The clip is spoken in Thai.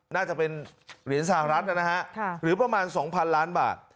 น่าจะเป็นเหรียญสหรัฐนะฮะหรือประมาณ๒๐๐๐ล้านบาท